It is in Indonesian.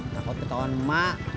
takut ketauan mak